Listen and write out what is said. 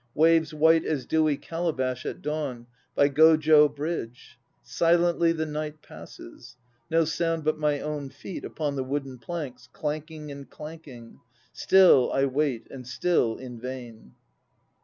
Waves white as dewy calabash l at dawn, By Gojo Bridge. Silently the night passes, No sound but my own feet upon the wooden planks Clanking and clanking; still I wait And still in vain.